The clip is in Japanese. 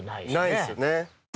ないですよね。